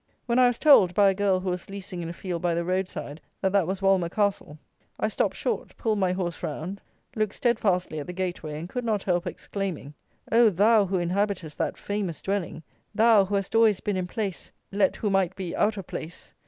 When I was told, by a girl who was leasing in a field by the road side, that that was Walmer Castle, I stopped short, pulled my horse round, looked steadfastly at the gateway, and could not help exclaiming: "Oh, thou who inhabitest that famous dwelling; thou, who hast always been in place, let who might be out of place!